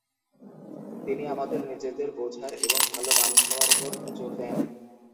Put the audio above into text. তিনি আমাদের নিজেদের বোঝার এবং ভাল মানুষ হওয়ার উপর জোর দেন।